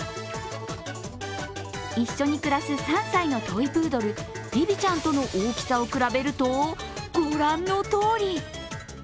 一緒に暮らす３歳のトイプードル、ビビちゃんとの大きさを比べると、御覧のとおり。